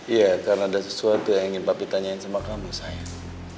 iya karena ada sesuatu yang ingin bapak tanyain sama kamu saya